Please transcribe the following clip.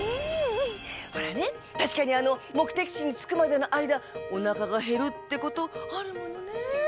ほらねたしかにもくてきちにつくまでのあいだおなかがへるってことあるものね。